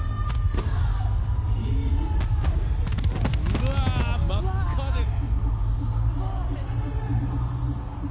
うわぁ、真っ赤です。